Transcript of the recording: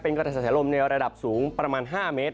กระแสลมในระดับสูงประมาณ๕เมตร